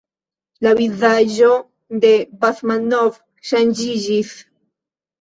La vizaĝo de Basmanov ŝanĝiĝis.